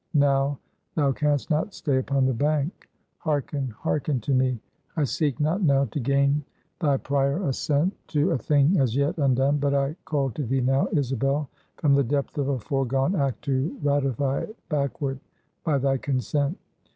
now thou canst not stay upon the bank. Hearken, hearken to me. I seek not now to gain thy prior assent to a thing as yet undone; but I call to thee now, Isabel, from the depth of a foregone act, to ratify it, backward, by thy consent.